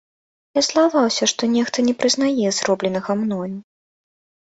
Я злаваўся, што нехта не прызнае зробленага мною.